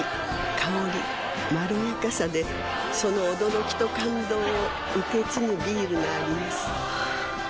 香りまろやかさでその驚きと感動を受け継ぐビールがあります